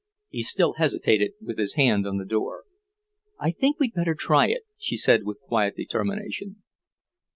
He still hesitated, with his hand on the door. "I think we'd better try it," she said with quiet determination.